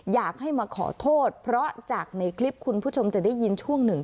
อยากให้มาขอโทษเพราะจากในคลิปคุณผู้ชมจะได้ยินช่วงหนึ่ง